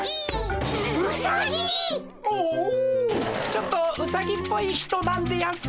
ちょっとウサギっぽい人なんでやんす。